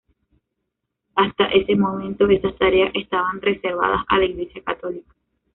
Hasta ese momento, esas tareas estaban reservadas a la Iglesia Católica.